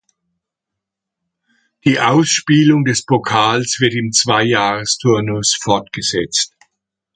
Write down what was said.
Die Ausspielung des Pokals wird im Zwei-Jahres-Turnus fortgesetzt.